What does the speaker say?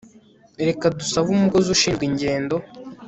Reka dusabe umukozi ushinzwe ingendo